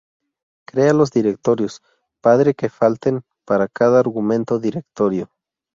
Crea los directorios padre que falten para cada argumento directorio.